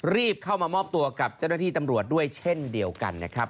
รีบเข้ามามอบตัวกับเจ้าหน้าที่ตำรวจด้วยเช่นเดียวกันนะครับ